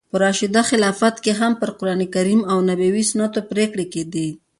په راشده خلافت کښي هم پر قرانکریم او نبوي سنتو پرېکړي کېدې.